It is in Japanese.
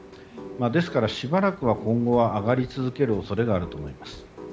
ですから、しばらく今後は上がり続ける恐れがあると思います。